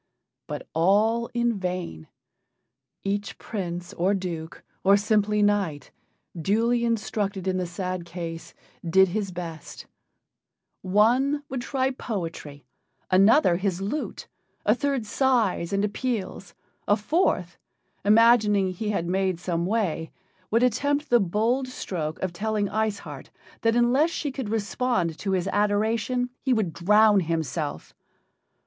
But all in vain. Each prince, or duke, or simple knight, duly instructed in the sad case, did his best: one would try poetry, another his lute, a third sighs and appeals, a fourth, imagining he had made some way, would attempt the bold stroke of telling Ice Heart that unless she could respond to his adoration he would drown himself.